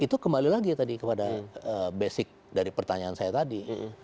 itu kembali lagi tadi kepada basic dari pertanyaan saya tadi